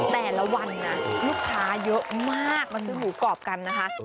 แต่ละวันนะลูกค้าเยอะมากมาซื้อหมูกรอบกันนะคะ